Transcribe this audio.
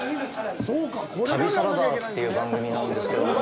旅サラダっていう番組なんですけども。